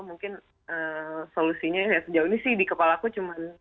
mungkin solusinya ya sejauh ini sih di kepala aku cuma